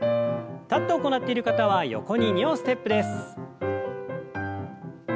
立って行っている方は横に２歩ステップです。